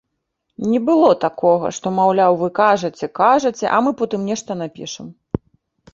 Не было такога, што, маўляў, вы кажаце-кажаце, а мы потым нешта напішам.